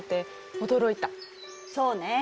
そうね。